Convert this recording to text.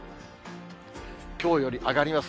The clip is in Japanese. きょうより上がります。